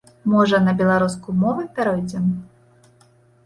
Можа, на беларускую мову пяройдзем?